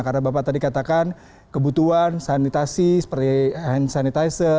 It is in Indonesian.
karena bapak tadi katakan kebutuhan sanitasi spray hand sanitizer